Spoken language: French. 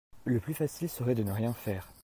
Le plus facile serait de ne rien faire.